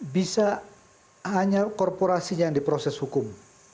bisa hanya korporasinya yang diproses hukum